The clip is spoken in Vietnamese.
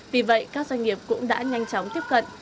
vì vậy các doanh nghiệp cũng đã nhanh chóng tiếp cận